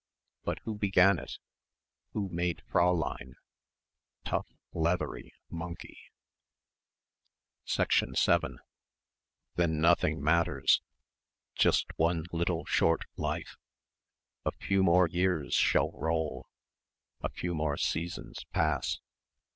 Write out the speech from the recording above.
But who began it? Who made Fräulein? Tough leathery monkey.... 7 Then nothing matters. Just one little short life.... "A few more years shall roll ... A few more seasons pass...."